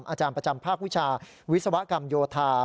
อาจารย์ประจำภาควิชาวิศวกรรมโยธา